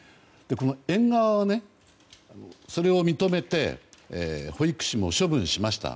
園側は、それを認めて保育士も処分しました。